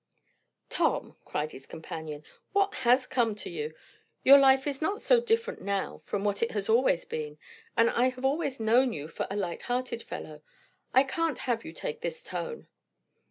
"Tom!" cried his companion. "What has come to you? Your life is not so different now from what it has always been; and I have always known you for a light hearted fellow. I can't have you take this tone."